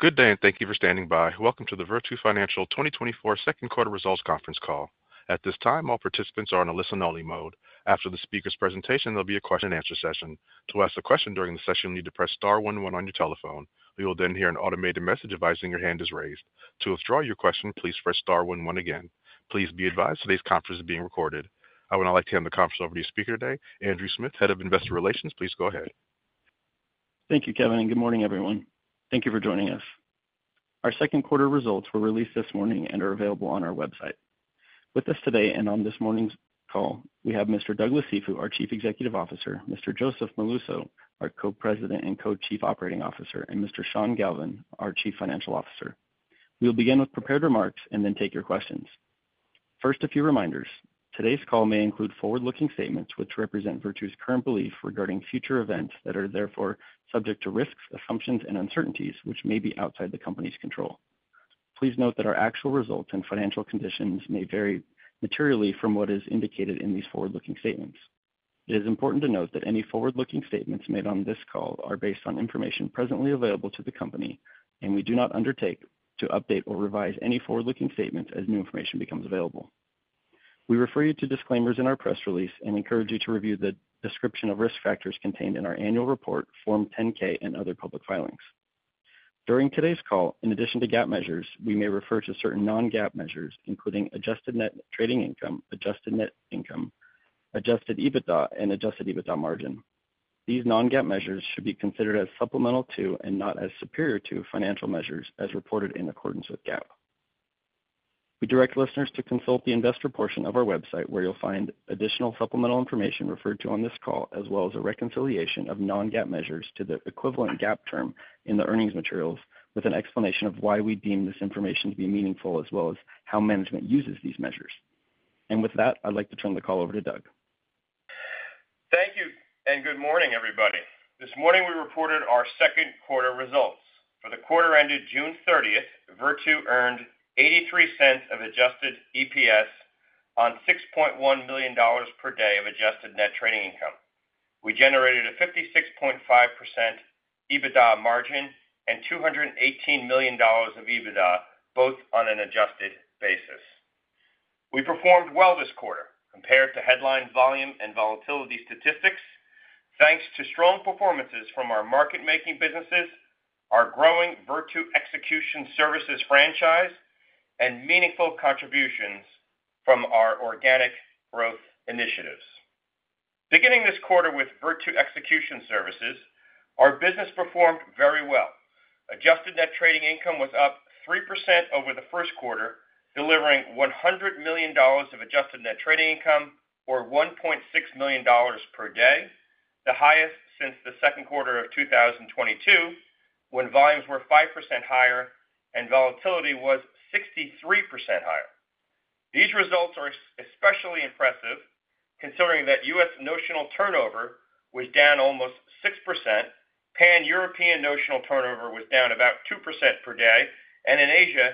Good day, and thank you for standing by. Welcome to the Virtu Financial 2024 Second Quarter Results Conference Call. At this time, all participants are in a listen-only mode. After the speaker's presentation, there'll be a question and answer session. To ask a question during the session, you need to press star one one on your telephone. You will then hear an automated message advising your hand is raised. To withdraw your question, please press star one one again. Please be advised today's conference is being recorded. I would now like to hand the conference over to your speaker today, Andrew Smith, Head of Investor Relations. Please go ahead. Thank you, Kevin, and good morning, everyone. Thank you for joining us. Our second quarter results were released this morning and are available on our website. With us today and on this morning's call, we have Mr. Douglas Cifu, our Chief Executive Officer, Mr. Joseph Molluso, our Co-President and Co-Chief Operating Officer, and Mr. Sean Galvin, our Chief Financial Officer. We'll begin with prepared remarks and then take your questions. First, a few reminders. Today's call may include forward-looking statements, which represent Virtu's current belief regarding future events that are therefore subject to risks, assumptions, and uncertainties, which may be outside the company's control. Please note that our actual results and financial conditions may vary materially from what is indicated in these forward-looking statements. It is important to note that any forward-looking statements made on this call are based on information presently available to the company, and we do not undertake to update or revise any forward-looking statements as new information becomes available. We refer you to disclaimers in our press release and encourage you to review the description of risk factors contained in our annual report, Form 10-K and other public filings. During today's call, in addition to GAAP measures, we may refer to certain non-GAAP measures, including adjusted net trading income, adjusted net income, adjusted EBITDA, and adjusted EBITDA margin. These non-GAAP measures should be considered as supplemental to and not as superior to financial measures as reported in accordance with GAAP. We direct listeners to consult the investor portion of our website, where you'll find additional supplemental information referred to on this call, as well as a reconciliation of non-GAAP measures to the equivalent GAAP term in the earnings materials, with an explanation of why we deem this information to be meaningful, as well as how management uses these measures. With that, I'd like to turn the call over to Doug. Thank you, and good morning, everybody. This morning, we reported our second quarter results. For the quarter ended 30 June, Virtu earned $0.83 adjusted EPS on $6.1 million per day of adjusted net trading income. We generated a 56.5% EBITDA margin and $218 million of EBITDA, both on an adjusted basis. We performed well this quarter compared to headline volume and volatility statistics, thanks to strong performances from our market-making businesses, our growing Virtu Execution Services franchise, and meaningful contributions from our organic growth initiatives. Beginning this quarter with Virtu Execution Services, our business performed very well. Adjusted net trading income was up 3% over the first quarter, delivering $100 million of adjusted net trading income, or $1.6 million per day, the highest since the second quarter of 2022, when volumes were 5% higher and volatility was 63% higher. These results are especially impressive, considering that U.S. notional turnover was down almost 6%, Pan-European notional turnover was down about 2% per day, and in Asia,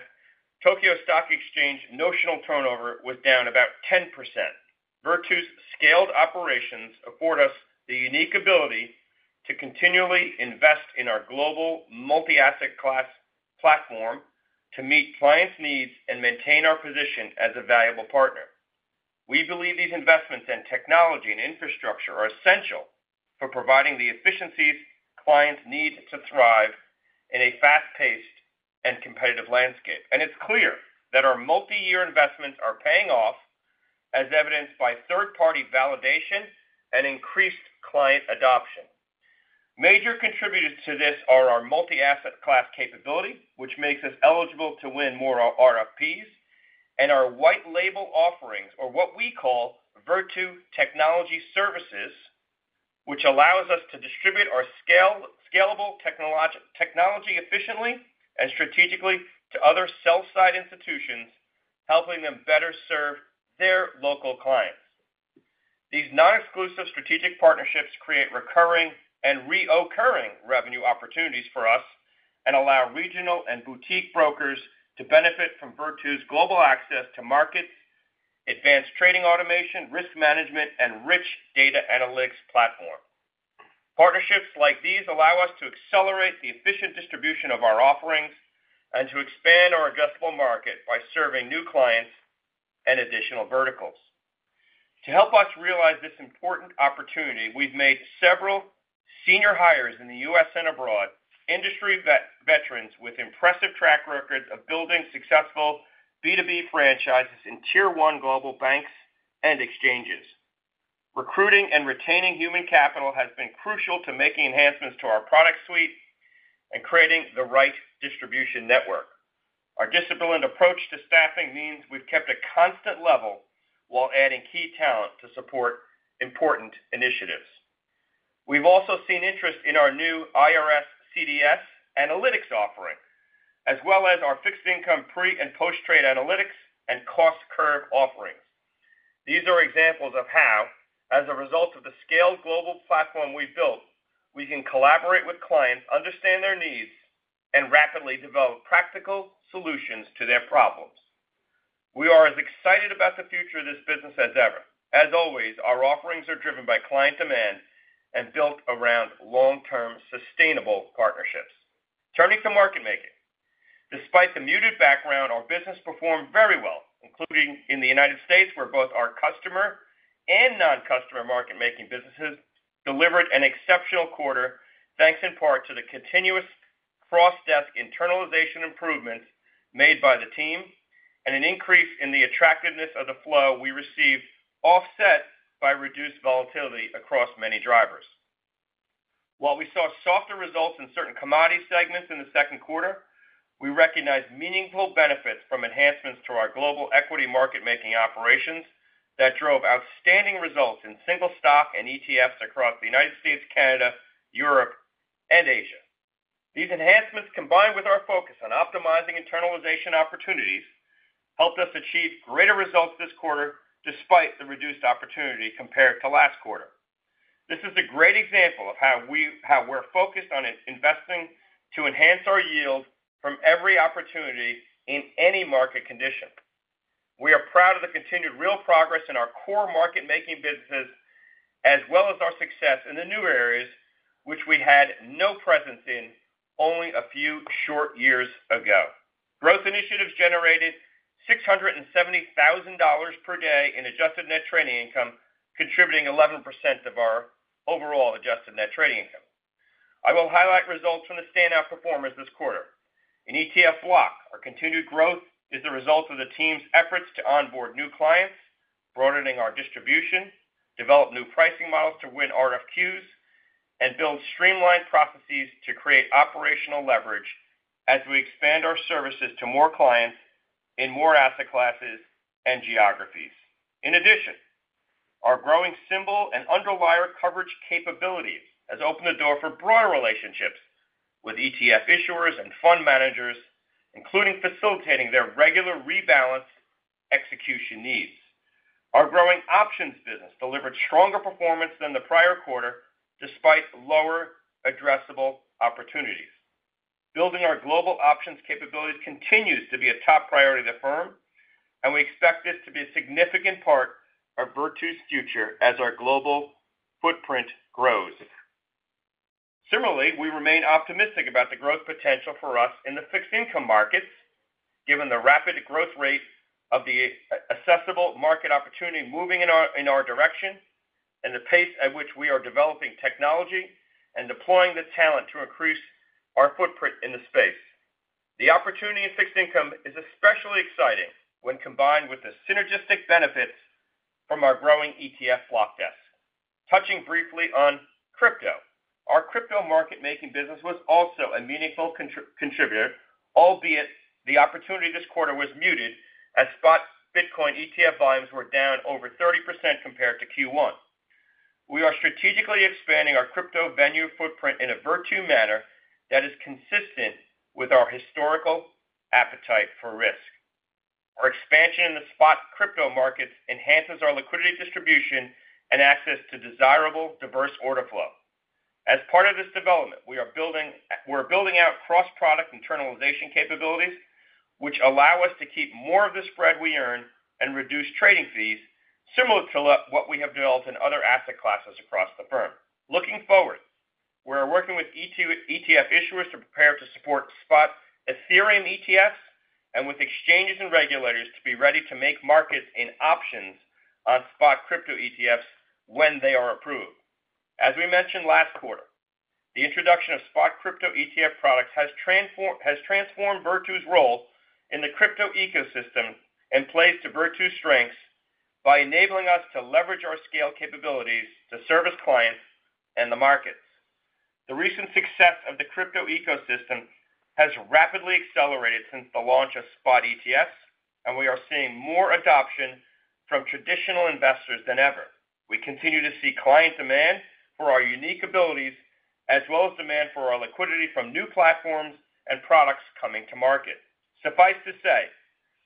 Tokyo Stock Exchange notional turnover was down about 10%. Virtu's scaled operations afford us the unique ability to continually invest in our global multi-asset class platform to meet clients' needs and maintain our position as a valuable partner. We believe these investments in technology and infrastructure are essential for providing the efficiencies clients need to thrive in a fast-paced and competitive landscape. It's clear that our multi-year investments are paying off, as evidenced by third-party validation and increased client adoption. Major contributors to this are our multi-asset class capability, which makes us eligible to win more RFPs, and our white label offerings, or what we call Virtu Technology Services, which allows us to distribute our scalable technology efficiently and strategically to other sell-side institutions, helping them better serve their local clients. These non-exclusive strategic partnerships create recurring and reoccurring revenue opportunities for us and allow regional and boutique brokers to benefit from Virtu's global access to markets, advanced trading automation, risk management, and rich data analytics platform. Partnerships like these allow us to accelerate the efficient distribution of our offerings and to expand our addressable market by serving new clients and additional verticals. To help us realize this important opportunity, we've made several senior hires in the U.S. and abroad, industry veterans with impressive track records of building successful B2B franchises in Tier One global banks and exchanges. Recruiting and retaining human capital has been crucial to making enhancements to our product suite and creating the right distribution network. Our disciplined approach to staffing means we've kept a constant level while adding key talent to support important initiatives. We've also seen interest in our new IRS CDS analytics offering, as well as our fixed-income pre- and post-trade analytics and cost curve offerings. These are examples of how, as a result of the scaled global platform we built, we can collaborate with clients, understand their needs, and rapidly develop practical solutions to their problems. We are as excited about the future of this business as ever. As always, our offerings are driven by client demand and built around long-term, sustainable partnerships. Turning to market making. Despite the muted background, our business performed very well, including in the United States, where both our customer and non-customer market-making businesses delivered an exceptional quarter, thanks in part to the continuous cross-desk internalization improvements made by the team and an increase in the attractiveness of the flow we received, offset by reduced volatility across many drivers. While we saw softer results in certain commodity segments in the second quarter, we recognized meaningful benefits from enhancements to our global equity market-making operations that drove outstanding results in single stock and ETFs across the United States, Canada, Europe, and Asia. These enhancements, combined with our focus on optimizing internalization opportunities, helped us achieve greater results this quarter despite the reduced opportunity compared to last quarter. This is a great example of how we're focused on investing to enhance our yield from every opportunity in any market condition. We are proud of the continued real progress in our core market-making businesses, as well as our success in the new areas, which we had no presence in only a few short years ago. Growth initiatives generated $670,000 per day in adjusted net trading income, contributing 11% of our overall adjusted net trading income. I will highlight results from the standout performers this quarter. In ETF block, our continued growth is the result of the team's efforts to onboard new clients, broadening our distribution, develop new pricing models to win RFQs, and build streamlined processes to create operational leverage as we expand our services to more clients in more asset classes and geographies. In addition, our growing symbol and underlying coverage capabilities has opened the door for broader relationships with ETF issuers and fund managers, including facilitating their regular rebalance execution needs. Our growing options business delivered stronger performance than the prior quarter, despite lower addressable opportunities. Building our global options capabilities continues to be a top priority of the firm, and we expect this to be a significant part of Virtu's future as our global footprint grows. Similarly, we remain optimistic about the growth potential for us in the fixed income markets, given the rapid growth rate of the accessible market opportunity moving in our, in our direction and the pace at which we are developing technology and deploying the talent to increase our footprint in the space. The opportunity in fixed income is especially exciting when combined with the synergistic benefits from our growing ETF block desk. Touching briefly on crypto. Our crypto market-making business was also a meaningful contributor, albeit the opportunity this quarter was muted as spot Bitcoin ETF volumes were down over 30% compared to Q1. We are strategically expanding our crypto venue footprint in a Virtu manner that is consistent with our historical appetite for risk. Our expansion in the spot crypto markets enhances our liquidity distribution and access to desirable, diverse order flow. As part of this development, we are building out cross-product internalization capabilities, which allow us to keep more of the spread we earn and reduce trading fees, similar to what we have developed in other asset classes across the firm. Looking forward, we're working with ETF issuers to prepare to support spot Ethereum ETFs, and with exchanges and regulators to be ready to make markets in options on spot crypto ETFs when they are approved. As we mentioned last quarter, the introduction of spot crypto ETF products has transformed Virtu's role in the crypto ecosystem and plays to Virtu's strengths by enabling us to leverage our scale capabilities to service clients and the markets. The recent success of the crypto ecosystem has rapidly accelerated since the launch of Spot ETFs, and we are seeing more adoption from traditional investors than ever. We continue to see client demand for our unique abilities, as well as demand for our liquidity from new platforms and products coming to market. Suffice to say,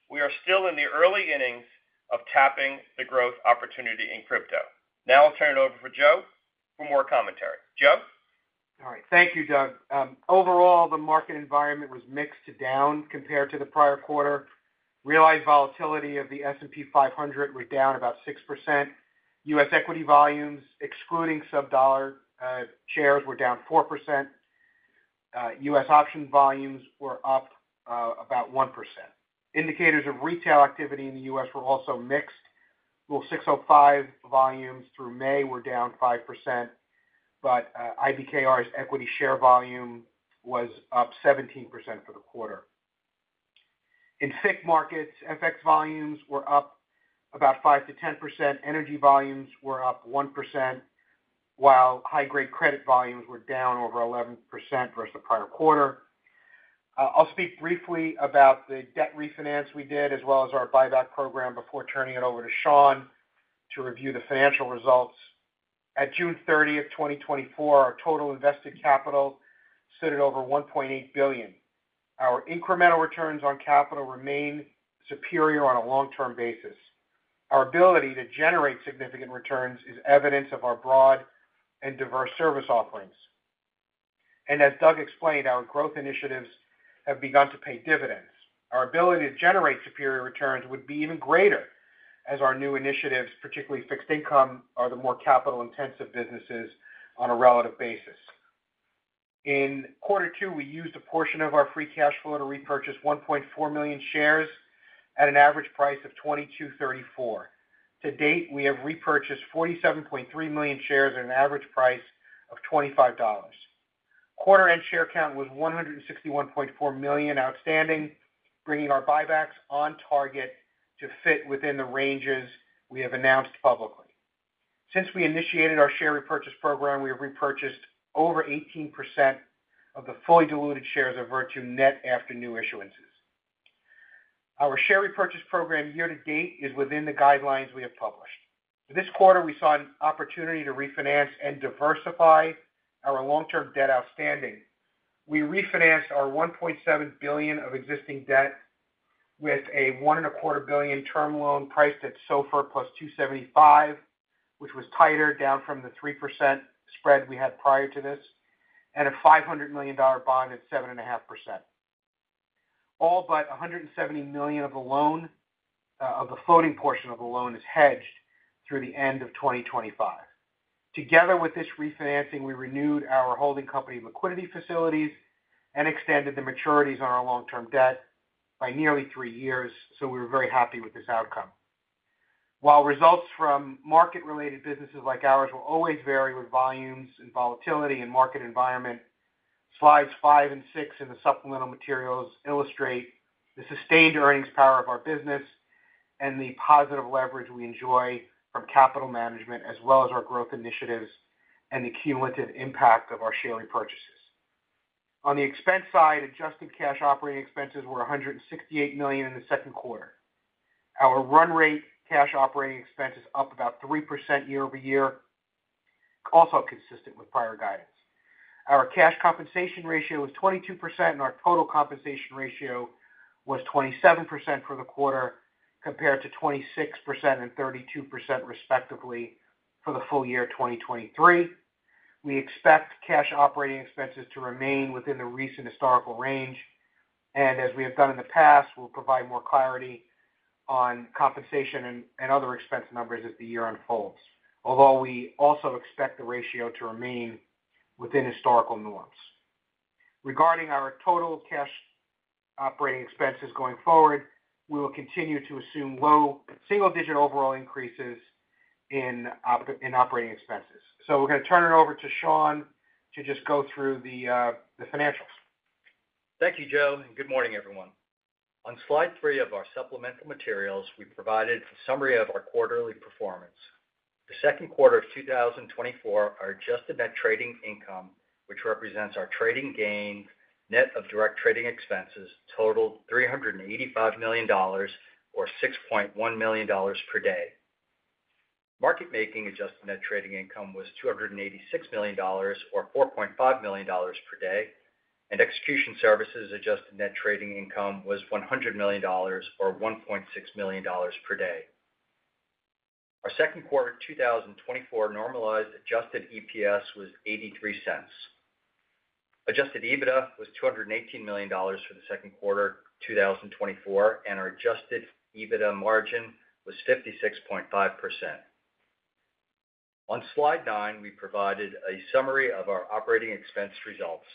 we are still in the early innings of tapping the growth opportunity in crypto. Now I'll turn it over for Joe for more commentary. Joe? All right. Thank you, Doug. Overall, the market environment was mixed to down compared to the prior quarter. Realized volatility of the S&P 500 were down about 6%. U.S. equity volumes, excluding sub-dollar shares, were down 4%. U.S. option volumes were up about 1%. Indicators of retail activity in the U.S. were also mixed. Rule 605 volumes through May were down 5%, but IBKR's equity share volume was up 17% for the quarter. In FICC markets, FX volumes were up about 5%-10%. Energy volumes were up 1%, while high-grade credit volumes were down over 11% versus the prior quarter. I'll speak briefly about the debt refinance we did, as well as our buyback program, before turning it over to Sean to review the financial results. At June 30, 2024, our total invested capital sit at over $1.8 billion. Our incremental returns on capital remain superior on a long-term basis. Our ability to generate significant returns is evidence of our broad and diverse service offerings, and as Doug explained, our growth initiatives have begun to pay dividends. Our ability to generate superior returns would be even greater as our new initiatives, particularly fixed income, are the more capital-intensive businesses on a relative basis. In quarter two, we used a portion of our free cash flow to repurchase 1.4 million shares at an average price of $22.34. To date, we have repurchased 47.3 million shares at an average price of $25. Quarter-end share count was 161.4 million outstanding, bringing our buybacks on target to fit within the ranges we have announced publicly. Since we initiated our share repurchase program, we have repurchased over 18% of the fully diluted shares of Virtu, net after new issuances. Our share repurchase program year-to-date is within the guidelines we have published. This quarter, we saw an opportunity to refinance and diversify our long-term debt outstanding. We refinanced our $1.7 billion of existing debt with a $1.25 billion term loan priced at SOFR + 275, which was tighter, down from the 3% spread we had prior to this, and a $500 million bond at 7.5%. All but $170 million of the floating portion of the loan is hedged through the end of 2025. Together with this refinancing, we renewed our holding company liquidity facilities and extended the maturities on our long-term debt by nearly 3 years, so we were very happy with this outcome. While results from market-related businesses like ours will always vary with volumes and volatility and market environment, slides 5 and 6 in the supplemental materials illustrate the sustained earnings power of our business and the positive leverage we enjoy from capital management, as well as our growth initiatives and the cumulative impact of our share repurchases. On the expense side, adjusted cash operating expenses were $168 million in the second quarter. Our run rate cash operating expense is up about 3% year-over-year, also consistent with prior guidance. Our cash compensation ratio was 22%, and our total compensation ratio was 27% for the quarter, compared to 26% and 32%, respectively, for the full year 2023. We expect cash operating expenses to remain within the recent historical range, and as we have done in the past, we'll provide more clarity on compensation and other expense numbers as the year unfolds. Although, we also expect the ratio to remain within historical norms. Regarding our total cash operating expenses going forward, we will continue to assume low single-digit overall increases in operating expenses. So we're going to turn it over to Sean to just go through the financials. Thank you, Joe, and good morning, everyone. On slide three of our supplemental materials, we provided a summary of our quarterly performance. The second quarter of 2024, our adjusted net trading income, which represents our trading gain, net of direct trading expenses, totaled $385 million or $6.1 million per day. Market making adjusted net trading income was $286 million or $4.5 million per day, and execution services adjusted net trading income was $100 million or $1.6 million per day. Our second quarter 2024 normalized adjusted EPS was $0.83. Adjusted EBITDA was $218 million for the second quarter 2024, and our adjusted EBITDA margin was 56.5%. On slide nine, we provided a summary of our operating expense results.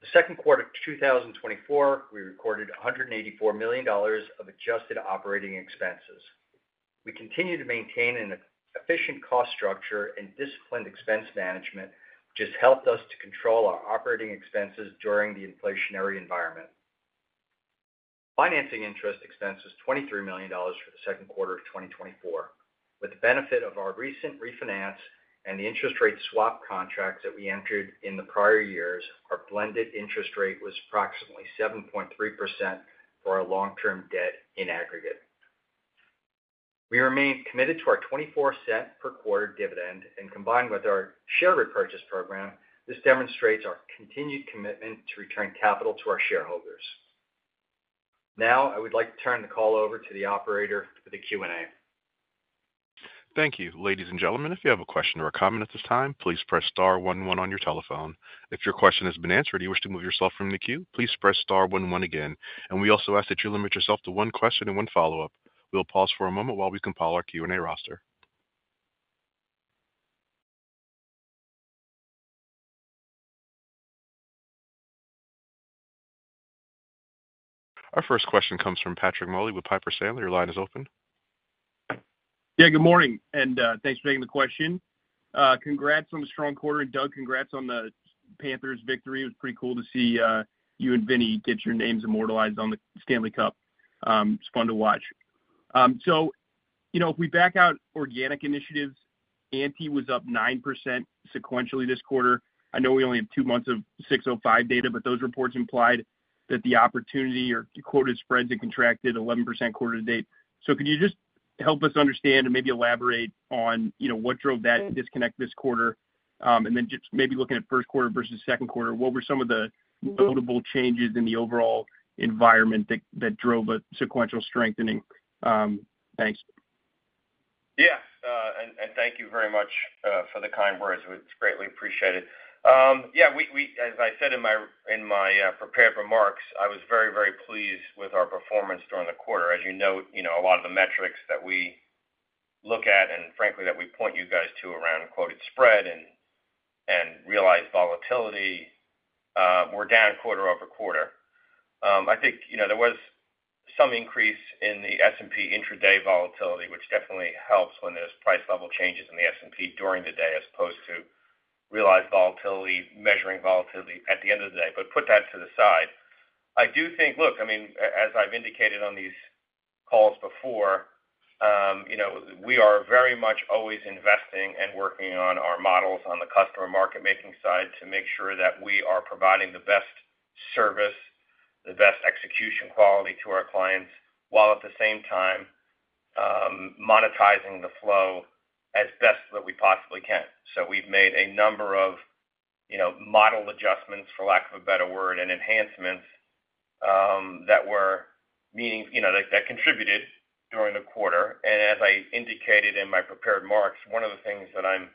The second quarter of 2024, we recorded $184 million of adjusted operating expenses. We continue to maintain an efficient cost structure and disciplined expense management, which has helped us to control our operating expenses during the inflationary environment. Financing interest expense was $23 million for the second quarter of 2024. With the benefit of our recent refinance and the interest rate swap contracts that we entered in the prior years, our blended interest rate was approximately 7.3% for our long-term debt in aggregate. We remain committed to our 24-cent per quarter dividend, and combined with our share repurchase program, this demonstrates our continued commitment to return capital to our shareholders. Now, I would like to turn the call over to the operator for the Q&A. Thank you. Ladies and gentlemen, if you have a question or a comment at this time, please press star one one on your telephone. If your question has been answered and you wish to move yourself from the queue, please press star one one again. We also ask that you limit yourself to one question and one follow-up. We'll pause for a moment while we compile our Q&A roster. Our first question comes from Patrick Moley with Piper Sandler. Your line is open. Yeah, good morning, and thanks for taking the question. Congrats on the strong quarter, and Doug, congrats on the Panthers victory. It was pretty cool to see you and Vinny get your names immortalized on the Stanley Cup. It's fun to watch. So, you know, if we back out organic initiatives, A&T was up 9% sequentially this quarter. I know we only have two months of 605 data, but those reports implied that the opportunity or quoted spreads had contracted 11% quarter to date. So could you just help us understand and maybe elaborate on, you know, what drove that disconnect this quarter? And then just maybe looking at first quarter versus second quarter, what were some of the notable changes in the overall environment that drove a sequential strengthening? Thanks. Yes, and thank you very much for the kind words. It's greatly appreciated. Yeah, we—as I said in my prepared remarks, I was very, very pleased with our performance during the quarter. As you note, you know, a lot of the metrics that we look at, and frankly, that we point you guys to around quoted spread and realized volatility were down quarter over quarter. I think, you know, there was some increase in the S&P intraday volatility, which definitely helps when there's price level changes in the S&P during the day, as opposed to realized volatility, measuring volatility at the end of the day. But put that to the side. I do think... Look, I mean, as I've indicated on these calls before, you know, we are very much always investing and working on our models on the customer market making side to make sure that we are providing the best service, the best execution quality to our clients, while at the same time, monetizing the flow as best that we possibly can. We've made a number of, you know, model adjustments, for lack of a better word, and enhancements, that were meaning, you know, that, that contributed during the quarter. As I indicated in my prepared remarks, one of the things that I'm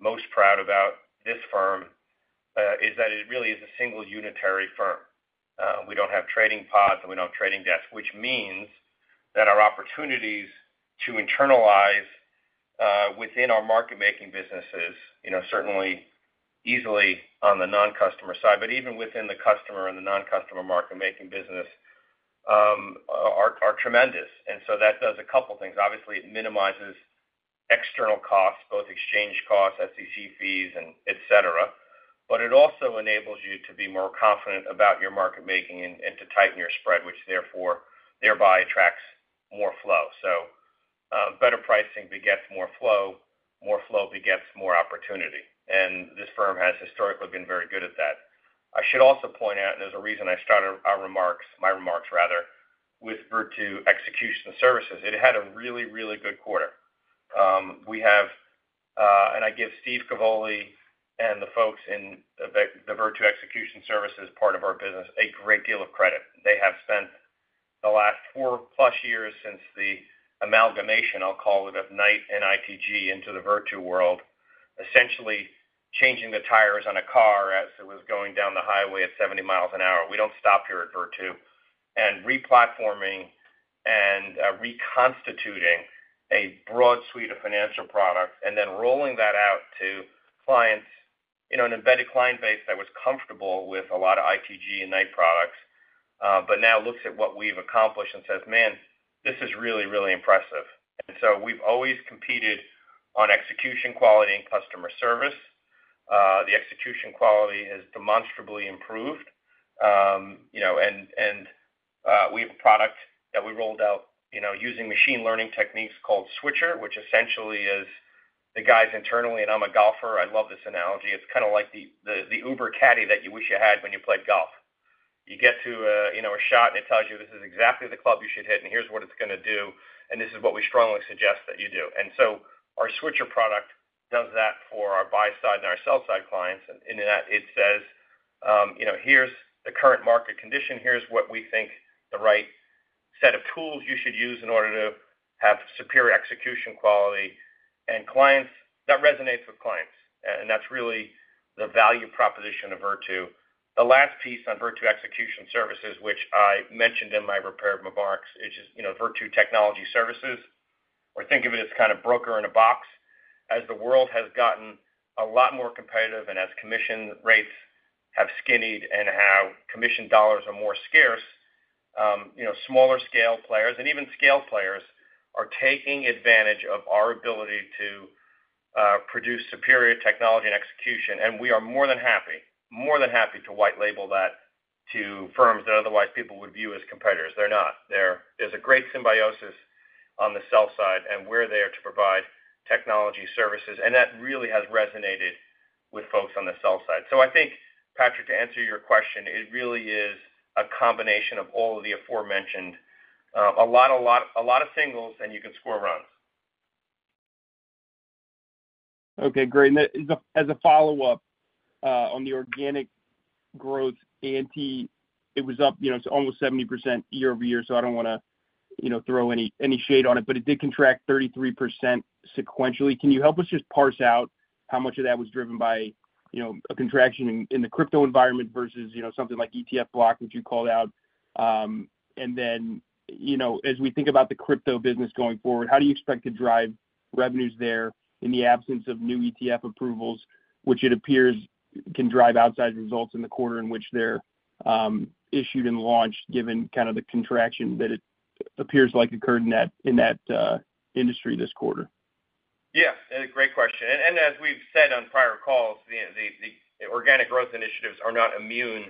most proud about this firm is that it really is a single unitary firm. We don't have trading pods, and we don't have trading desks, which means that our opportunities to internalize within our market making businesses, you know, certainly easily on the non-customer side, but even within the customer and the non-customer market making business, are tremendous. And so that does a couple things. Obviously, it minimizes external costs, both exchange costs, SEC fees, and et cetera. But it also enables you to be more confident about your market making and to tighten your spread, which therefore, thereby attracts more flow. So, better pricing begets more flow, more flow begets more opportunity, and this firm has historically been very good at that. I should also point out, and there's a reason I started our remarks, my remarks rather, with Virtu Execution Services. It had a really, really good quarter. We have, and I give Stephen Cavoli and the folks in the Virtu Execution Services part of our business, a great deal of credit. They have spent the last 4+ years since the amalgamation, I'll call it, of Knight and ITG into the Virtu world, essentially changing the tires on a car as it was going down the highway at 70 miles an hour. We don't stop here at Virtu, and re-platforming and reconstituting a broad suite of financial products, and then rolling that out to clients in an embedded client base that was comfortable with a lot of ITG and Knight products. But now looks at what we've accomplished and says, "Man, this is really, really impressive." So we've always competed on execution quality and customer service. The execution quality has demonstrably improved. You know, we have a product that we rolled out, you know, using machine learning techniques called Switcher, which essentially is the guys internally, and I'm a golfer, I love this analogy. It's kind of like the Uber caddy that you wish you had when you played golf. You get to, you know, a shot, and it tells you, this is exactly the club you should hit, and here's what it's gonna do, and this is what we strongly suggest that you do. And so our Switcher product does that for our buy-side and our sell-side clients. And in that, it says, you know, "Here's the current market condition. Here's what we think the right set of tools you should use in order to have superior execution quality." And clients... That resonates with clients, and that's really the value proposition of Virtu. The last piece on Virtu Execution Services, which I mentioned in my prepared remarks, is just, you know, Virtu Technology Services, or think of it as kind of broker in a box. As the world has gotten a lot more competitive and as commission rates have skinnied and how commission dollars are more scarce, you know, smaller scale players and even scale players are taking advantage of our ability to produce superior technology and execution. And we are more than happy, more than happy to white label that to firms that otherwise people would view as competitors. They're not. There is a great symbiosis on the sell side, and we're there to provide technology services, and that really has resonated with folks on the sell side. I think, Patrick, to answer your question, it really is a combination of all of the aforementioned. A lot, a lot, a lot of singles, and you can score runs. Okay, great. And as a follow-up on the organic growth angle, it was up, you know, almost 70% year-over-year, so I don't wanna, you know, throw any shade on it, but it did contract 33% sequentially. Can you help us just parse out how much of that was driven by, you know, a contraction in the crypto environment versus, you know, something like ETF block, which you called out? And then, you know, as we think about the crypto business going forward, how do you expect to drive revenues there in the absence of new ETF approvals, which it appears can drive outsize results in the quarter in which they're issued and launched, given kind of the contraction that it appears like occurred in that industry this quarter? Yeah, a great question. And as we've said on prior calls, the organic growth initiatives are not immune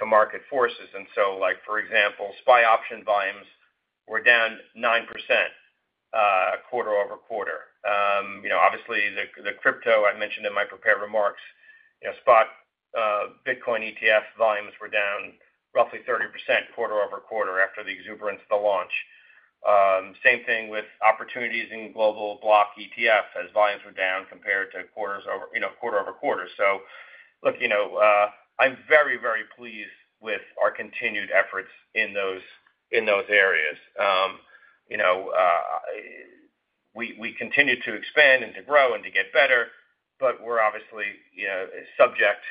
to market forces. And so, like, for example, SPY option volumes were down 9% quarter-over-quarter. You know, obviously, the crypto I mentioned in my prepared remarks, you know, spot Bitcoin ETF volumes were down roughly 30% quarter-over-quarter after the exuberance of the launch. Same thing with opportunities in global block ETF, as volumes were down compared to, you know, quarter-over-quarter. So, look, you know, I'm very, very pleased with our continued efforts in those areas. You know, we continue to expand and to grow and to get better, but we're obviously, you know, subject,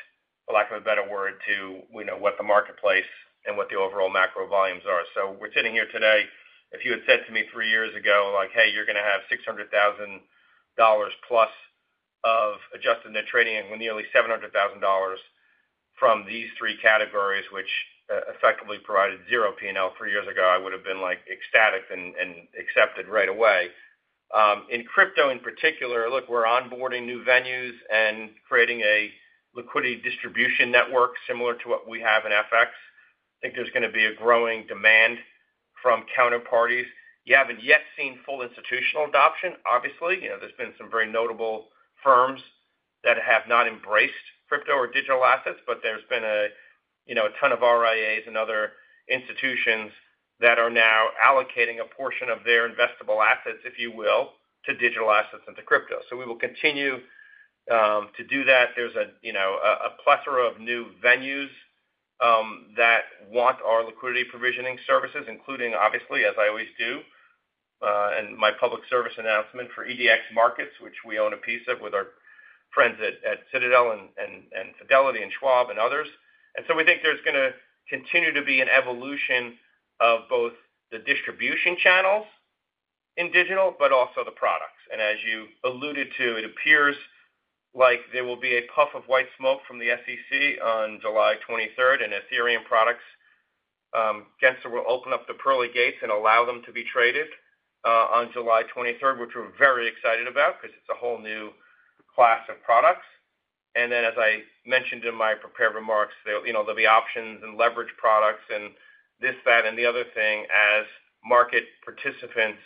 for lack of a better word, to, you know, what the marketplace and what the overall macro volumes are. So we're sitting here today, if you had said to me three years ago, like, "Hey, you're gonna have $600,000 plus of Adjusted Net Trading Income, nearly $700,000 from these three categories," which effectively provided zero P&L three years ago, I would have been, like, ecstatic and accepted right away. In crypto, in particular, look, we're onboarding new venues and creating a liquidity distribution network similar to what we have in FX. I think there's gonna be a growing demand from counterparties. You haven't yet seen full institutional adoption, obviously. You know, there's been some very notable firms that have not embraced crypto or digital assets, but there's been a, you know, a ton of RIAs and other institutions that are now allocating a portion of their investable assets, if you will, to digital assets and to crypto. So we will continue to do that. There's a, you know, a plethora of new venues that want our liquidity provisioning services, including, obviously, as I always do, and my public service announcement for EDX Markets, which we own a piece of with our friends at Citadel and Fidelity and Schwab and others. And so we think there's gonna continue to be an evolution of both the distribution channels in digital, but also the products. As you alluded to, it appears like there will be a puff of white smoke from the SEC on July 23rd, and Ethereum products, Gensler will open up the pearly gates and allow them to be traded on July 23rd, which we're very excited about because it's a whole new class of products. Then, as I mentioned in my prepared remarks, there'll, you know, there'll be options and leverage products and this, that, and the other thing as market participants,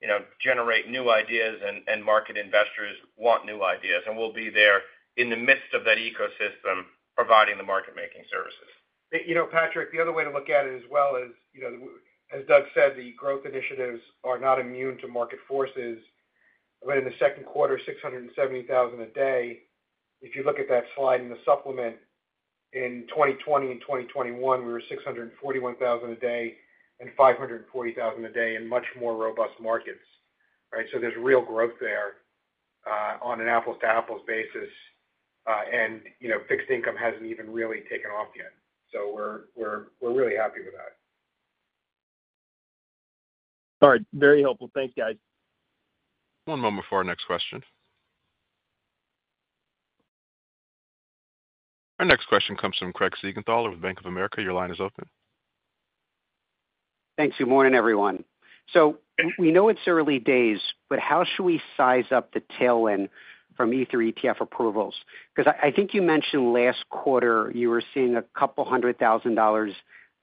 you know, generate new ideas and market investors want new ideas, and we'll be there in the midst of that ecosystem, providing the market-making services. You know, Patrick, the other way to look at it as well is, you know, as Doug said, the growth initiatives are not immune to market forces. But in the second quarter, 670,000 a day, if you look at that slide in the supplement, in 2020 and 2021, we were 641,000 a day and 540,000 a day in much more robust markets, right? So there's real growth there, on an apples-to-apples basis. And, you know, fixed income hasn't even really taken off yet. So we're, we're, we're really happy with that. All right, very helpful. Thanks, guys. One moment before our next question. Our next question comes from Craig Siegenthaler with Bank of America. Your line is open. Thanks. Good morning, everyone. We know it's early days, but how should we size up the tailwind from Ether ETF approvals? Because I think you mentioned last quarter, you were seeing $200,000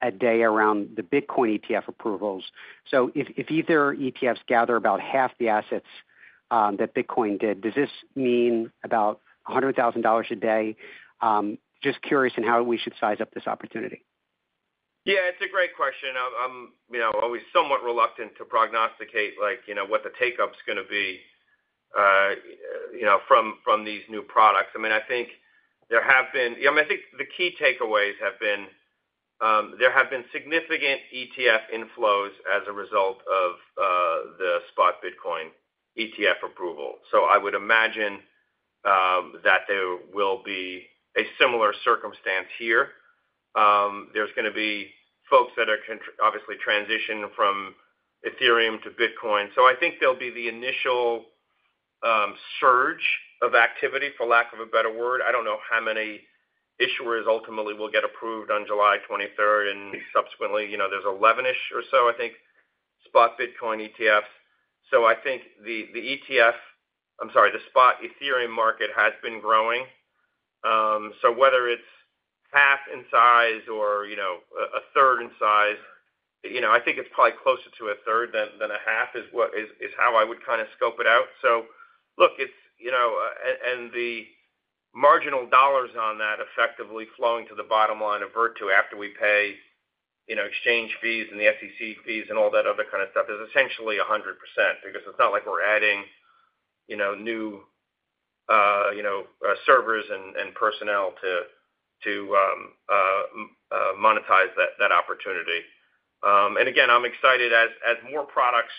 a day around the Bitcoin ETF approvals. So if Ether ETFs gather about half the assets that Bitcoin did, does this mean about $100,000 a day? Just curious on how we should size up this opportunity. Yeah, it's a great question. I'm, you know, always somewhat reluctant to prognosticate, like, you know, what the take-up's gonna be, you know, from, from these new products. I mean, I think there have been... I mean, I think the key takeaways have been, there have been significant ETF inflows as a result of, the spot Bitcoin ETF approval. So I would imagine, that there will be a similar circumstance here. There's gonna be folks that are obviously transition from Ethereum to Bitcoin. So I think there'll be the initial, surge of activity, for lack of a better word. I don't know how many issuers ultimately will get approved on July 23rd and subsequently, you know, there's 11-ish or so, I think, spot Bitcoin ETFs. So I think the, the ETF... I'm sorry, the spot Ethereum market has been growing. So whether it's half in size or, you know, a third in size, you know, I think it's probably closer to a third than a half, is how I would kind of scope it out. So look, it's, you know. And the marginal dollars on that effectively flowing to the bottom line of Virtu after we pay, you know, exchange fees and the SEC fees and all that other kind of stuff, is essentially 100% because it's not like we're adding, you know, new, you know, servers and personnel to monetize that opportunity. And again, I'm excited as more products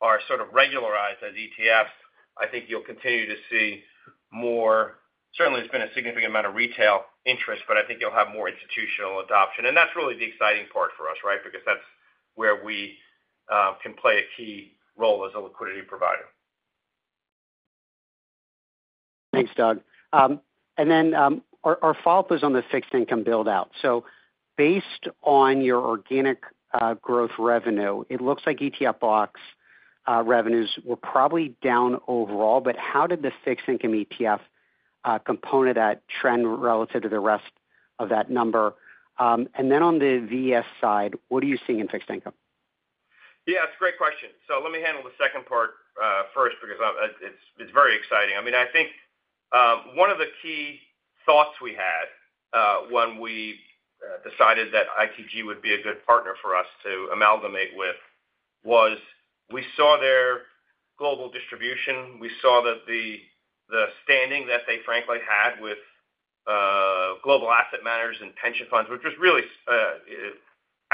are sort of regularized as ETFs, I think you'll continue to see more... Certainly, there's been a significant amount of retail interest, but I think you'll have more institutional adoption, and that's really the exciting part for us, right? Because that's where we can play a key role as a liquidity provider. Thanks, Doug. Then, our follow-up is on the fixed income build-out. Based on your organic growth revenue, it looks like ETF block revenues were probably down overall, but how did the fixed income ETF component trend relative to the rest of that number? Then on the VES side, what are you seeing in fixed income? Yeah, it's a great question. So let me handle the second part, first, because it's very exciting. I mean, I think one of the key thoughts we had when we decided that ITG would be a good partner for us to amalgamate with was we saw their global distribution. We saw that the standing that they frankly had with global asset managers and pension funds, which was really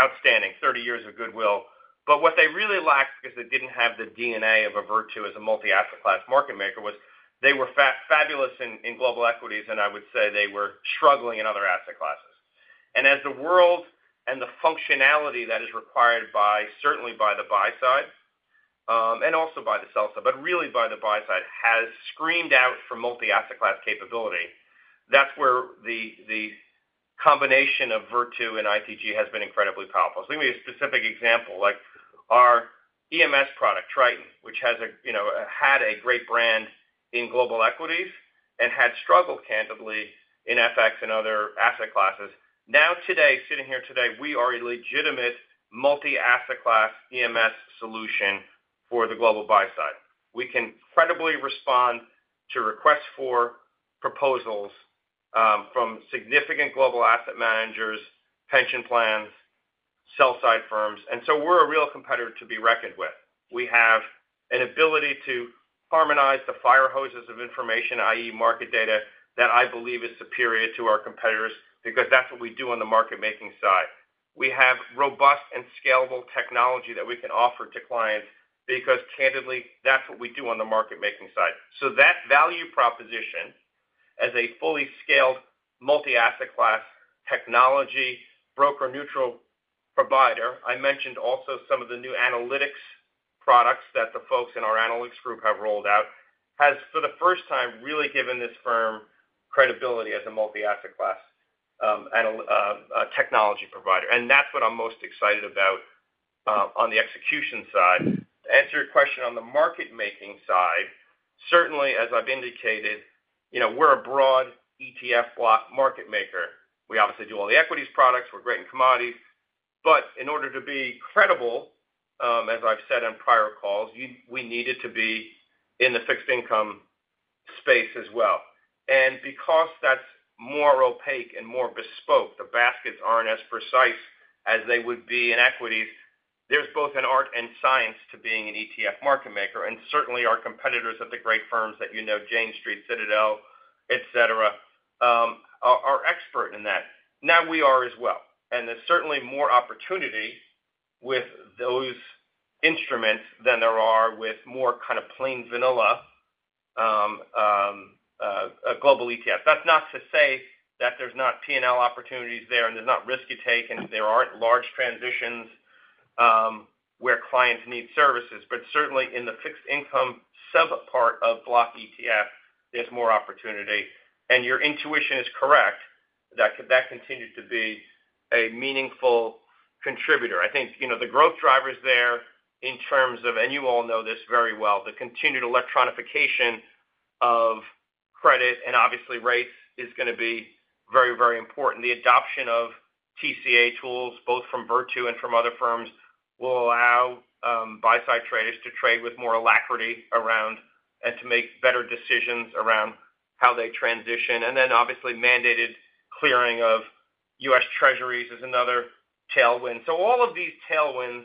outstanding, 30 years of goodwill. But what they really lacked, because they didn't have the DNA of a Virtu as a multi-asset class market maker, was they were fabulous in global equities, and I would say they were struggling in other asset classes. As the world and the functionality that is required by, certainly by the buy side, and also by the sell side, but really by the buy side, has screamed out for multi-asset class capability, that's where the combination of Virtu and ITG has been incredibly powerful. Let me give you a specific example, like our EMS product, Triton, which has, you know, had a great brand in global equities and had struggled candidly in FX and other asset classes. Now, today, sitting here today, we are a legitimate multi-asset class EMS solution for the global buy side. We can credibly respond to requests for proposals, from significant global asset managers, pension plans, sell side firms, and so we're a real competitor to be reckoned with. We have an ability to harmonize the fire hoses of information, i.e., market data, that I believe is superior to our competitors because that's what we do on the market-making side. We have robust and scalable technology that we can offer to clients because candidly, that's what we do on the market-making side. So that value proposition as a fully scaled multi-asset class technology, broker-neutral provider, I mentioned also some of the new analytics products that the folks in our analytics group have rolled out, has, for the first time, really given this firm credibility as a multi-asset class technology provider. And that's what I'm most excited about on the execution side. To answer your question on the market-making side, certainly, as I've indicated, you know, we're a broad ETF block market maker. We obviously do all the equities products. We're great in commodities. But in order to be credible, as I've said on prior calls, we needed to be in the fixed income space as well. And because that's more opaque and more bespoke, the baskets aren't as precise as they would be in equities, there's both an art and science to being an ETF market maker, and certainly our competitors at the great firms that you know, Jane Street, Citadel, et cetera, are expert in that. Now, we are as well, and there's certainly more opportunity with those instruments than there are with more kind of plain vanilla, a global ETF. That's not to say that there's not P&L opportunities there, and there's not risk you take, and there aren't large transitions, where clients need services. But certainly, in the fixed income subpart of block ETF, there's more opportunity. And your intuition is correct, that, that continues to be a meaningful contributor. I think, you know, the growth drivers there in terms of... And you all know this very well, the continued electronification of credit and obviously rates, is gonna be very important. The adoption of TCA tools, both from Virtu and from other firms, will allow, buy side traders to trade with more alacrity around, and to make better decisions around how they transition. And then, obviously, mandated clearing of U.S. Treasuries is another tailwind. So all of these tailwinds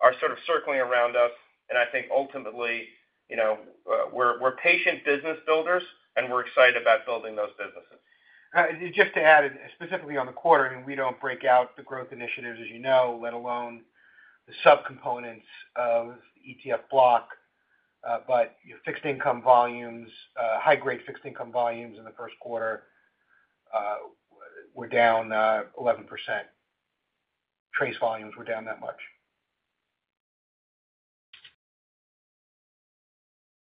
are sort of circling around us, and I think ultimately, you know, we're, we're patient business builders, and we're excited about building those businesses. Just to add, specifically on the quarter, I mean, we don't break out the growth initiatives, as you know, let alone the subcomponents of ETF block. But, you know, fixed income volumes, high-grade fixed income volumes in the first quarter, were down 11%. TRACE volumes were down that much.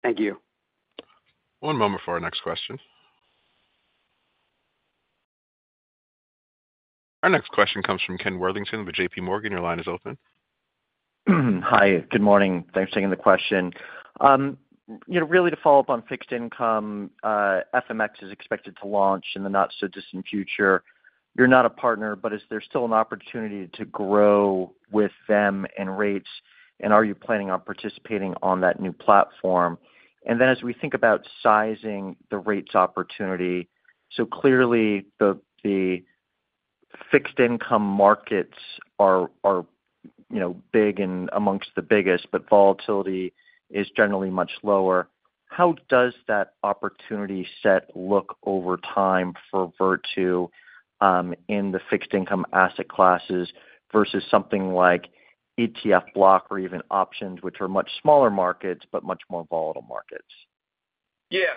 Thank you. One moment for our next question. Our next question comes from Ken Worthington with J.P. Morgan. Your line is open. Hi, good morning. Thanks for taking the question. You know, really to follow up on fixed income, FMX is expected to launch in the not-so-distant future. You're not a partner, but is there still an opportunity to grow with them and rates, and are you planning on participating on that new platform? And then as we think about sizing the rates opportunity, so clearly the fixed income markets are, you know, big and amongst the biggest, but volatility is generally much lower. How does that opportunity set look over time for Virtu, in the fixed income asset classes versus something like ETF block or even options, which are much smaller markets, but much more volatile markets? Yeah.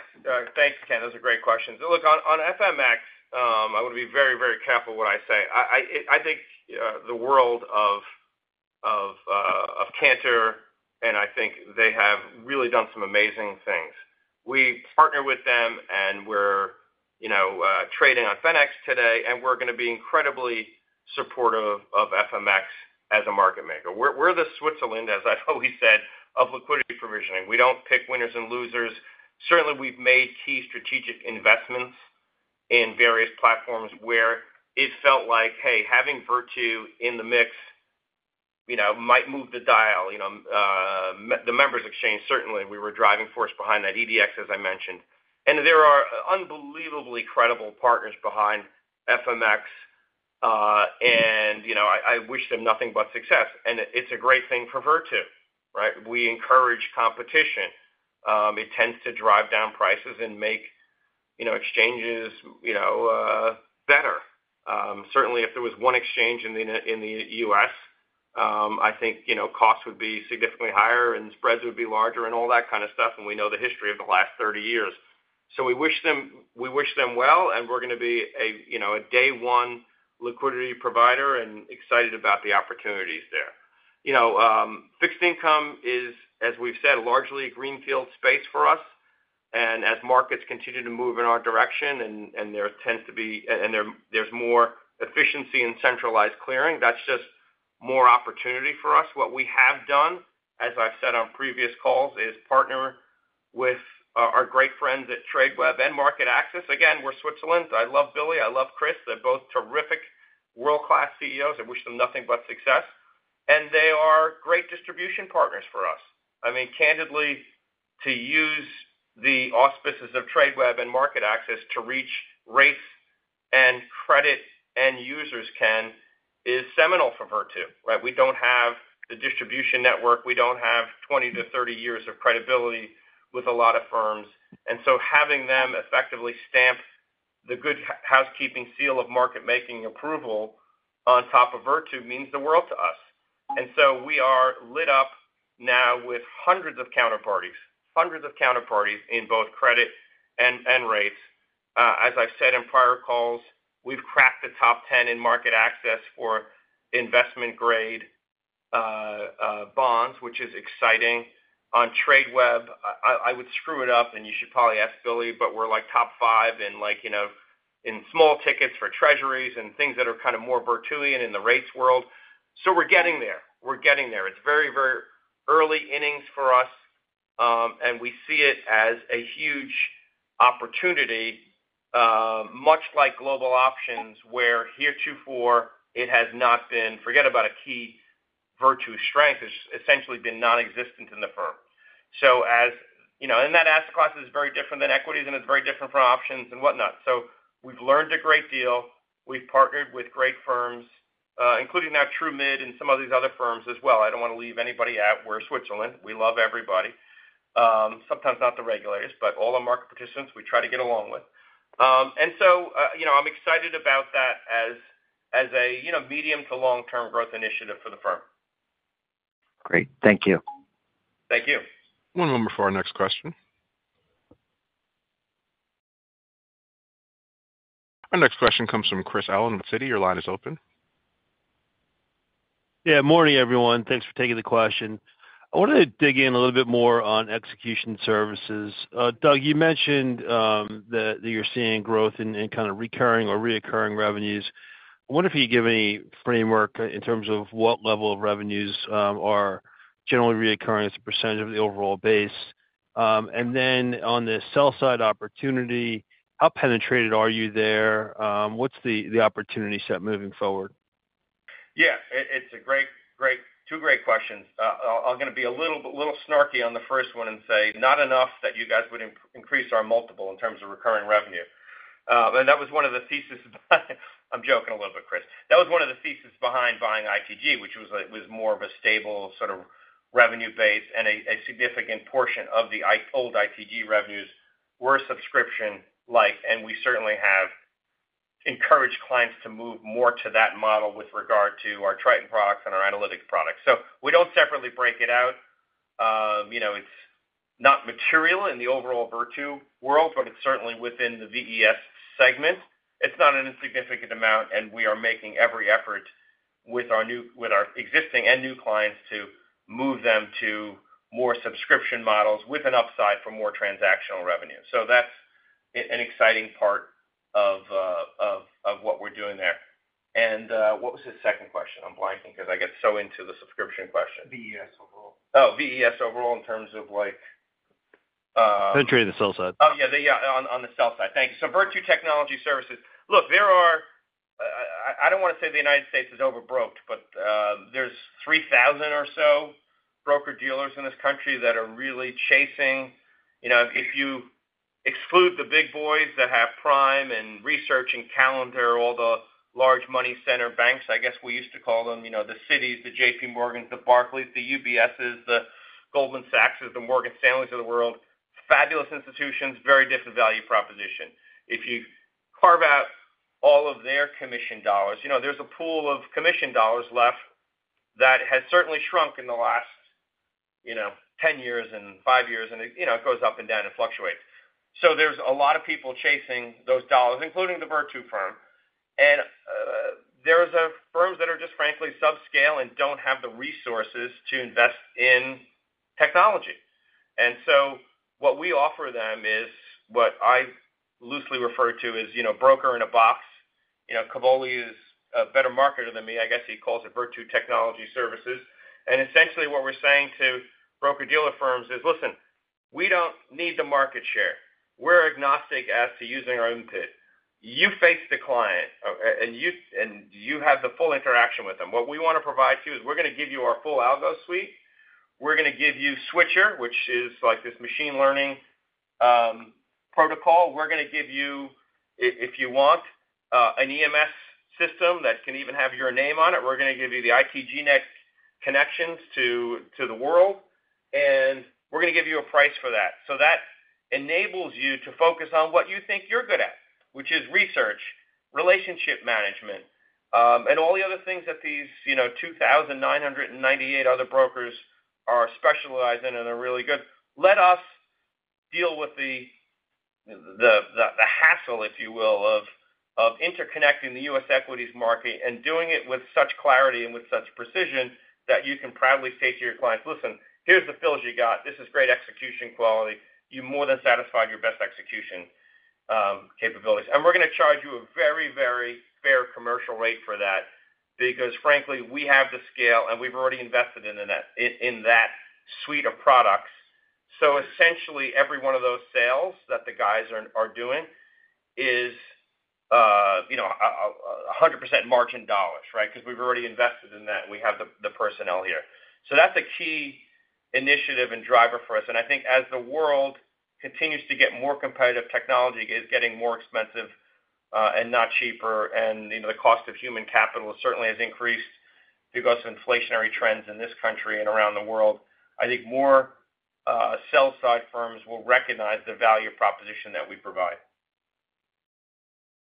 Thanks, Ken. Those are great questions. Look, on FMX, I would be very careful what I say. I think the world of Cantor, and I think they have really done some amazing things. We partner with them, and we're, you know, trading on Fenics today, and we're gonna be incredibly supportive of FMX as a market maker. We're the Switzerland, as I've always said, of liquidity provisioning. We don't pick winners and losers. Certainly, we've made key strategic investments in various platforms where it felt like, hey, having Virtu in the mix, you know, might move the dial, you know, the Members Exchange, certainly, we were driving force behind that. EDX, as I mentioned, and there are unbelievably credible partners behind FMX. And, you know, I, I wish them nothing but success, and it's a great thing for Virtu, right? We encourage competition. It tends to drive down prices and make exchanges better. Certainly, if there was one exchange in the U.S., I think, you know, costs would be significantly higher, and spreads would be larger and all that kind of stuff, and we know the history of the last 30 years. So we wish them, we wish them well, and we're going to be a, you know, a day one liquidity provider and excited about the opportunities there. You know, fixed income is, as we've said, largely a greenfield space for us. And as markets continue to move in our direction, and there tends to be more efficiency and centralized clearing, that's just more opportunity for us. What we have done, as I've said on previous calls, is partner with our great friends at Tradeweb and MarketAxess. Again, we're Switzerland. I love Billy, I love Chris. They're both terrific world-class CEOs. I wish them nothing but success. And they are great distribution partners for us. I mean, candidly, to use the auspices of Tradeweb and MarketAxess to reach rates and credit end users Ken, is seminal for Virtu, right? We don't have the distribution network. We don't have 20-30 years of credibility with a lot of firms. And so having them effectively stamp the good housekeeping seal of market-making approval on top of Virtu means the world to us. And so we are lit up now with hundreds of counterparties, hundreds of counterparties in both credit and rates. As I've said in prior calls, we've cracked the top 10 in MarketAxess for investment-grade bonds, which is exciting. On Tradeweb, I would screw it up, and you should probably ask Billy, but we're, like, top five in, like, you know, in small tickets for treasuries and things that are kind of more Virtuian in the rates world. So we're getting there. We're getting there. It's very, very early innings for us, and we see it as a huge opportunity, much like global options, where heretofore it has not been... Forget about a key Virtu strength, it's essentially been nonexistent in the firm. So as, you know, and that asset class is very different than equities, and it's very different from options and whatnot. So we've learned a great deal. We've partnered with great firms, including now Trumid and some of these other firms as well. I don't want to leave anybody out. We're Switzerland. We love everybody. Sometimes not the regulators, but all the market participants we try to get along with. And so, you know, I'm excited about that as a, you know, medium to long-term growth initiative for the firm. Great. Thank you. Thank you. One moment for our next question. Our next question comes from Chris Allen of Citi. Your line is open. Yeah, morning, everyone. Thanks for taking the question. I wanted to dig in a little bit more on execution services. Doug, you mentioned that you're seeing growth in kind of recurring or recurring revenues. I wonder if you'd give any framework in terms of what level of revenues are generally recurring as a percentage of the overall base. And then on the sell side opportunity, how penetrated are you there? What's the opportunity set moving forward? Yeah, it's a great two great questions. I'm going to be a little snarky on the first one and say, not enough that you guys would increase our multiple in terms of recurring revenue. And that was one of the thesis behind... I'm joking a little bit, Chris. That was one of the thesis behind buying ITG, which was like more of a stable sort of revenue base and a significant portion of the old ITG revenues were subscription-like, and we certainly have encouraged clients to move more to that model with regard to our Triton products and our analytics products. So we don't separately break it out. You know, it's not material in the overall Virtu world, but it's certainly within the VES segment. It's not an insignificant amount, and we are making every effort with our existing and new clients to move them to more subscription models with an upside for more transactional revenue. So that's an exciting part of what we're doing there. And what was the second question? I'm blanking because I get so into the subscription question. VES overall. Oh, VES overall in terms of, like, Penetrating the sell side. Oh, yeah, on the sell side. Thank you. So Virtu Technology Services. Look, there are, I don't want to say the United States is overbrokered, but, there's 3,000 or so broker-dealers in this country that are really chasing. You know, if you exclude the big boys that have prime and research and calendar, all the large money center banks, I guess we used to call them, you know, the Citis, the J.P. Morgans, the Barclays, the UBSs, the Goldman Sachses, the Morgan Stanleys of the world, fabulous institutions, very different value proposition. If you carve out all of their commission dollars, you know, there's a pool of commission dollars left that has certainly shrunk in the last, you know, 10 years and 5 years, and it, you know, it goes up and down and fluctuates. So there's a lot of people chasing those dollars, including the Virtu firm. And there's firms that are just frankly subscale and don't have the resources to invest in technology. And so what we offer them is what I loosely refer to as, you know, broker in a box. You know, Cavoli is a better marketer than me. I guess he calls it Virtu Technology Services. And essentially, what we're saying to broker-dealer firms is, listen. We don't need the market share. We're agnostic as to using our own pit. You face the client, and you, and you have the full interaction with them. What we wanna provide to you is we're gonna give you our full algo suite. We're gonna give you Switcher, which is like this machine learning protocol. We're gonna give you, if you want, an EMS system that can even have your name on it. We're gonna give you the ITG Net connections to the world, and we're gonna give you a price for that. So that enables you to focus on what you think you're good at, which is research, relationship management, and all the other things that these, you know, 2,998 other brokers are specialized in and are really good. Let us deal with the hassle, if you will, of interconnecting the U.S. equities market and doing it with such clarity and with such precision that you can proudly say to your clients: "Listen, here's the fills you got. This is great execution quality. You more than satisfied your best execution capabilities." And we're gonna charge you a very, very fair commercial rate for that because, frankly, we have the scale, and we've already invested in the network in that suite of products. So essentially, every one of those sales that the guys are doing is, you know, 100% margin dollars, right? Because we've already invested in that. We have the personnel here. So that's a key initiative and driver for us. And I think as the world continues to get more competitive, technology is getting more expensive and not cheaper, and, you know, the cost of human capital certainly has increased because of inflationary trends in this country and around the world. I think more sell-side firms will recognize the value proposition that we provide.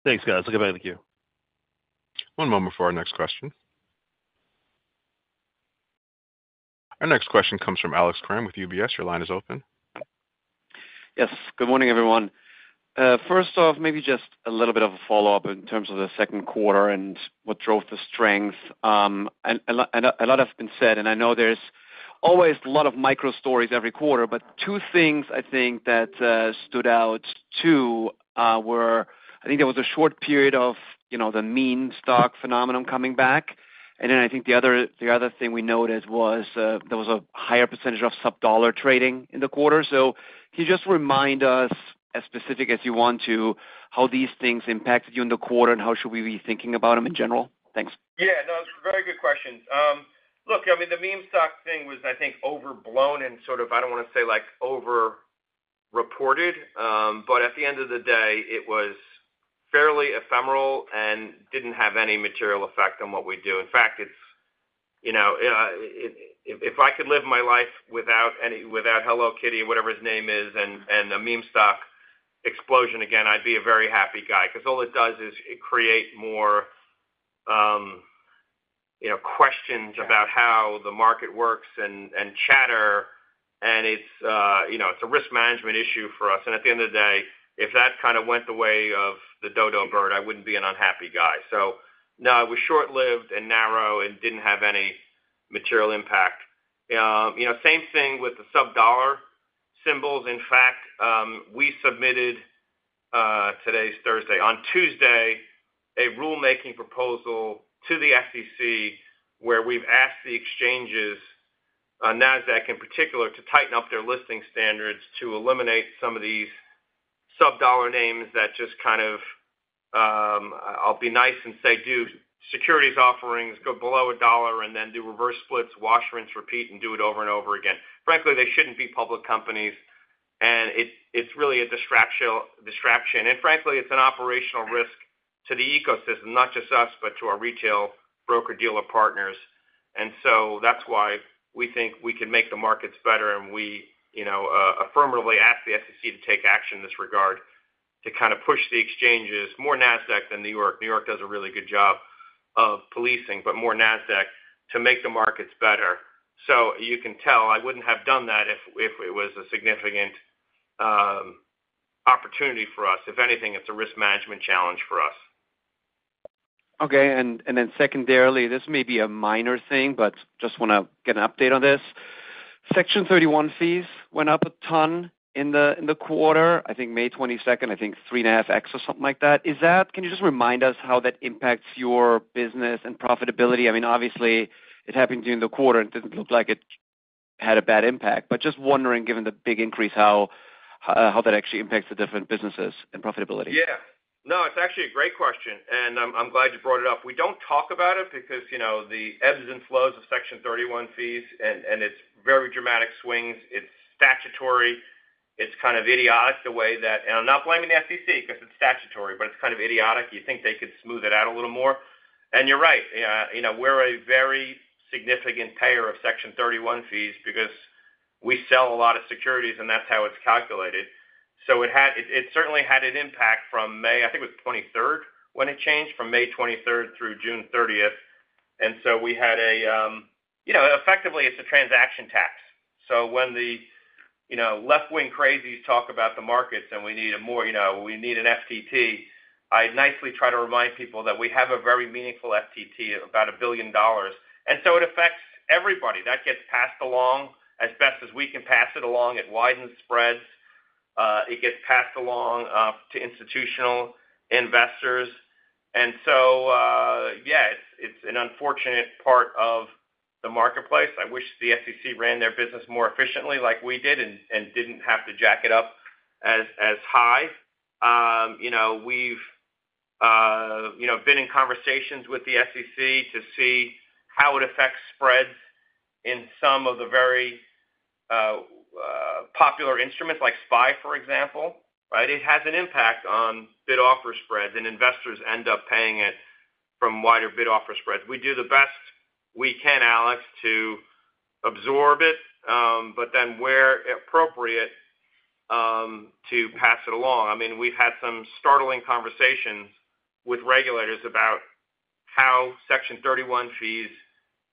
Thanks, guys. Let's go back to the queue. One moment before our next question. Our next question comes from Alex Kramm with UBS. Your line is open. Yes. Good morning, everyone. First off, maybe just a little bit of a follow-up in terms of the second quarter and what drove the strength. And a lot, and a lot has been said, and I know there's always a lot of micro stories every quarter, but two things I think that stood out, too, were, I think there was a short period of, you know, the meme stock phenomenon coming back. And then I think the other, the other thing we noticed was, there was a higher percentage of sub-dollar trading in the quarter. So can you just remind us, as specific as you want to, how these things impacted you in the quarter, and how should we be thinking about them in general? Thanks. Yeah, no, it's a very good question. Look, I mean, the meme stock thing was, I think, overblown and sort of, I don't wanna say, like, over-reported, but at the end of the day, it was fairly ephemeral and didn't have any material effect on what we do. In fact, it's, you know, if, if I could live my life without any- without Hello Kitty, whatever his name is, and, and the meme stock explosion again, I'd be a very happy guy. Because all it does is it create more, you know, questions about how the market works and, and chatter, and it's, you know, it's a risk management issue for us. And at the end of the day, if that kind of went the way of the dodo bird, I wouldn't be an unhappy guy. So no, it was short-lived and narrow and didn't have any material impact. You know, same thing with the sub-dollar symbols. In fact, we submitted, today's Thursday, on Tuesday, a rulemaking proposal to the SEC, where we've asked the exchanges, NASDAQ in particular, to tighten up their listing standards to eliminate some of these sub-dollar names that just kind of... I'll be nice and say, do securities offerings, go below a dollar and then do reverse splits, wash, rinse, repeat, and do it over and over again. Frankly, they shouldn't be public companies, and it's really a distraction, and frankly, it's an operational risk to the ecosystem, not just us, but to our retail broker-dealer partners. And so that's why we think we can make the markets better, and we, you know, affirmatively ask the SEC to take action in this regard, to kind of push the exchanges, more Nasdaq than New York. New York does a really good job of policing, but more Nasdaq, to make the markets better. So you can tell I wouldn't have done that if it was a significant opportunity for us. If anything, it's a risk management challenge for us. Okay, and then secondarily, this may be a minor thing, but just wanna get an update on this. Section 31 fees went up a ton in the quarter. I think May 22nd, I think 3.5x or something like that. Is that—can you just remind us how that impacts your business and profitability? I mean, obviously, it happened during the quarter, and it didn't look like it had a bad impact. But just wondering, given the big increase, how that actually impacts the different businesses and profitability. Yeah. No, it's actually a great question, and I'm glad you brought it up. We don't talk about it because, you know, the ebbs and flows of Section 31 fees, and it's very dramatic swings. It's statutory. It's kind of idiotic the way that... And I'm not blaming the SEC because it's statutory, but it's kind of idiotic. You think they could smooth it out a little more? And you're right. You know, we're a very significant payer of Section 31 fees because we sell a lot of securities, and that's how it's calculated. So it certainly had an impact from May, I think it was 23rd, when it changed from May 23rd through June 30th. And so we had a, you know, effectively, it's a transaction tax. So when the, you know, left-wing crazies talk about the markets and we need a more, you know, we need an FTT, I nicely try to remind people that we have a very meaningful FTT, about $1 billion. And so it affects everybody. That gets passed along as best as we can pass it along. It widens spreads. It gets passed along to institutional investors. And so, yeah, it's an unfortunate part of the marketplace. I wish the SEC ran their business more efficiently like we did and didn't have to jack it up as high. You know, we've been in conversations with the SEC to see how it affects spreads in some of the very popular instruments, like SPY, for example, right? It has an impact on bid-offer spreads, and investors end up paying it from wider bid-offer spreads. We do the best we can, Alex, to absorb it, but then where appropriate, to pass it along. I mean, we've had some startling conversations with regulators about how Section 31 fees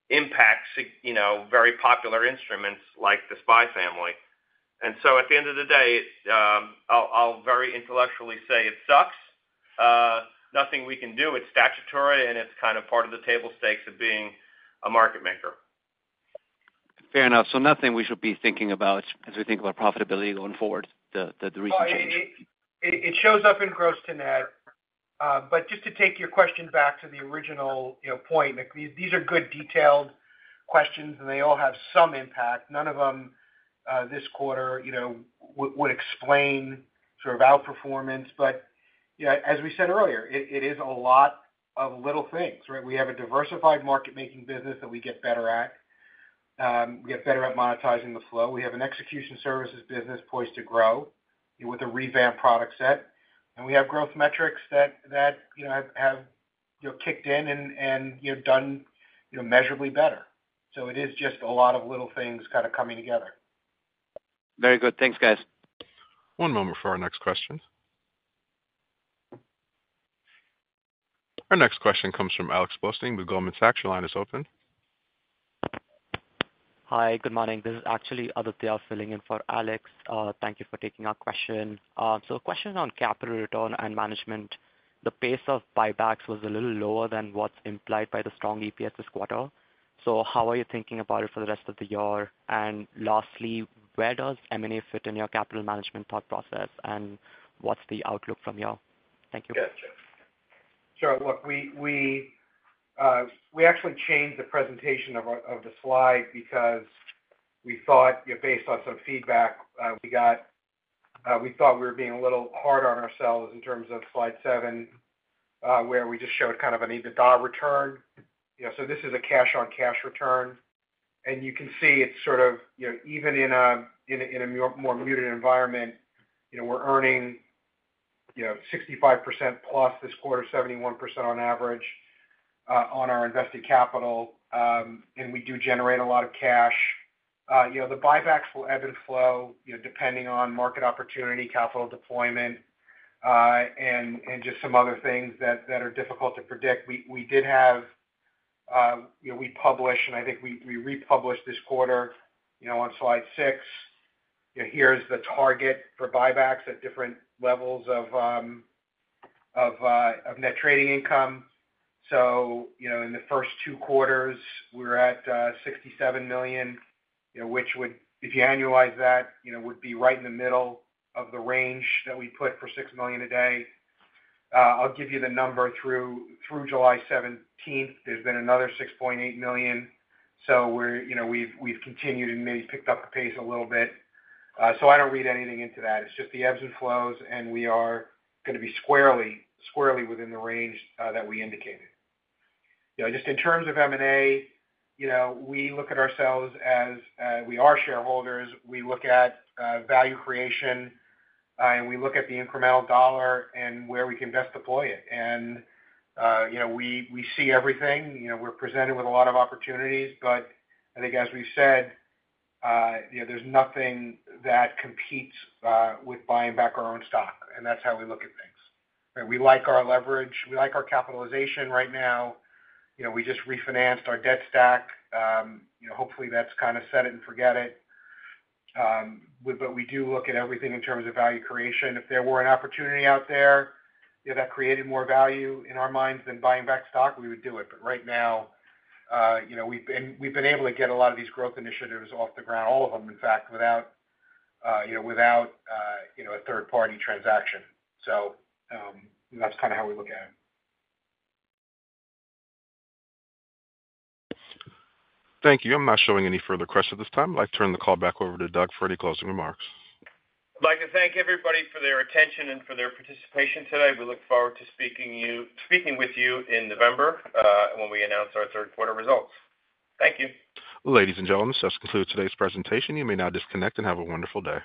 impact, you know, very popular instruments like the SPY family. And so at the end of the day, it's, I'll very intellectually say it sucks. Nothing we can do. It's statutory, and it's kind of part of the table stakes of being a market maker. Fair enough. So nothing we should be thinking about as we think about profitability going forward, the recent change? Well, it shows up in gross-to-net. But just to take your question back to the original, you know, point, like, these are good detailed questions, and they all have some impact. None of them, this quarter, you know, would explain sort of outperformance. But, you know, as we said earlier, it is a lot of little things, right? We have a diversified market-making business that we get better at. We get better at monetizing the flow. We have an execution services business poised to grow with a revamped product set, and we have growth metrics that, you know, have kicked in and, you know, done, you know, measurably better. So it is just a lot of little things kind of coming together. Very good. Thanks, guys. One moment for our next question. Our next question comes from Alex Blostein with Goldman Sachs. Your line is open. Hi, good morning. This is actually Aditya filling in for Alex. Thank you for taking our question. So question on capital return and management. The pace of buybacks was a little lower than what's implied by the strong EPS this quarter. So how are you thinking about it for the rest of the year? And lastly, where does M&A fit in your capital management thought process, and what's the outlook from here? Thank you. Yeah, sure. Look, we actually changed the presentation of our slide because we thought, you know, based on some feedback, we thought we were being a little hard on ourselves in terms of slide 7, where we just showed kind of an EBITDA return. You know, so this is a cash-on-cash return, and you can see it's sort of, you know, even in a more muted environment, you know, we're earning, you know, 65% plus this quarter, 71% on average, on our invested capital. And we do generate a lot of cash. You know, the buybacks will ebb and flow, you know, depending on market opportunity, capital deployment, and just some other things that are difficult to predict. We did have, you know, we published, and I think we republished this quarter, you know, on slide six, you know, here's the target for buybacks at different levels of, of net trading income. So, you know, in the first two quarters, we're at, $67 million, you know, which would, if you annualize that, you know, would be right in the middle of the range that we put for $6 million a day. I'll give you the number through July seventeenth. There's been another $6.8 million, so we're, you know, we've continued and maybe picked up the pace a little bit. So I don't read anything into that. It's just the ebbs and flows, and we are going to be squarely within the range that we indicated. You know, just in terms of M&A, you know, we look at ourselves as we are shareholders. We look at value creation, and we look at the incremental dollar and where we can best deploy it. You know, we see everything. You know, we're presented with a lot of opportunities, but I think as we've said, you know, there's nothing that competes with buying back our own stock, and that's how we look at things. We like our leverage. We like our capitalization right now. You know, we just refinanced our debt stack. You know, hopefully, that's kind of set it and forget it. But we do look at everything in terms of value creation. If there were an opportunity out there, you know, that created more value in our minds than buying back stock, we would do it. But right now, you know, we've been, we've been able to get a lot of these growth initiatives off the ground, all of them, in fact, without, you know, without, you know, a third-party transaction. So, that's kind of how we look at it. Thank you. I'm not showing any further questions at this time. I'd like to turn the call back over to Doug for any closing remarks. I'd like to thank everybody for their attention and for their participation today. We look forward to speaking with you in November, when we announce our third quarter results. Thank you. Ladies and gentlemen, this concludes today's presentation. You may now disconnect and have a wonderful day.